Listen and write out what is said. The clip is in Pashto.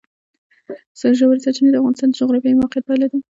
ژورې سرچینې د افغانستان د جغرافیایي موقیعت پایله ده.